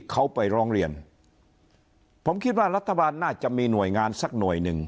เขาไปร้องเรียนผมคิดว่ารัฐบาลน่าจะมีหน่วยงานสักหน่วยหนึ่ง